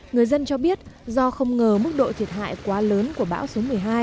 người dân cho biết do không ngờ mức độ thiệt hại quá lớn của bão số một mươi hai